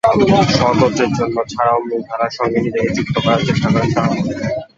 স্বগোত্রের জন্য ছাড়াও মূল ধারার সঙ্গে নিজেকে যুক্ত করার চেষ্টা করেন তাঁরা।